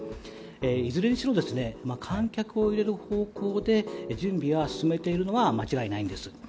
いずれにしろ観客を入れる方向で準備を進めているのは間違いないんです。